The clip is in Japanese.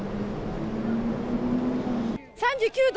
３９度？